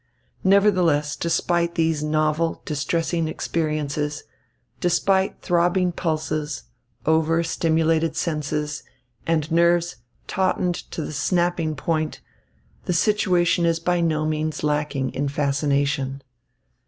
Nevertheless, despite these novel, distressing experiences, despite throbbing pulses, over stimulated senses, and nerves tautened to the snapping point, the situation is by no means lacking in fascination.